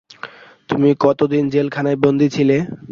তুমি কতদিন জেলখানায় বন্দী ছিলে?